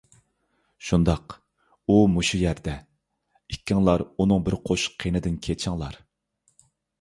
شۇنداق، ئۇ مۇشۇ يەردە. ئىككىڭلار ئۇنىڭ بىر قوشۇق قېنىدىن كېچىڭلار.